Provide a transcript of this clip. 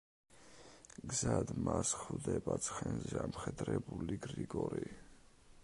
გზად მას ხვდება ცხენზე ამხედრებული გრიგორი.